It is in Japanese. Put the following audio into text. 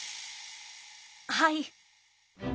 はい。